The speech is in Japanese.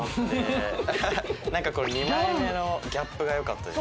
なんか２枚目のギャップが良かったです。